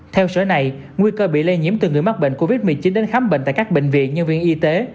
theo sở này nguy cơ bị lây nhiễm từ người mắc bệnh covid một mươi chín đến khám bệnh tại các bệnh viện nhân viên y tế